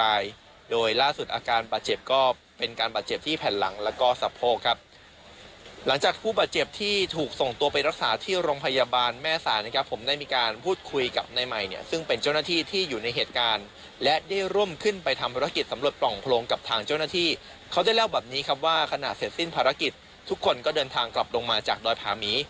รายโดยล่าสุดอาการบาดเจ็บก็เป็นการบาดเจ็บที่แผ่นหลังแล้วก็สะโพกครับหลังจากผู้บาดเจ็บที่ถูกส่งตัวไปรักษาที่โรงพยาบาลแม่ศาลนะครับผมได้มีการพูดคุยกับนายใหม่เนี่ยซึ่งเป็นเจ้าหน้าที่ที่อยู่ในเหตุการณ์และได้ร่วมขึ้นไปทำภารกิจสำรวจปล่องโพรงกับทางเจ้าหน้าที่เขาได้